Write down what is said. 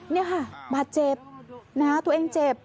นี่ค่ะบาดเจ็บนะตัวเองเจ็บ